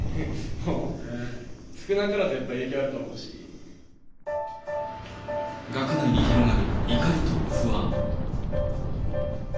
もう、少なからず影響あると思う学内に広がる怒りと不安。